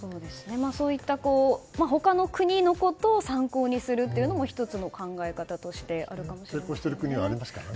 そういった他の国のことを参考にするというのも１つに考え方としてあるかもしれないですね。